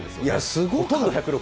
すごい。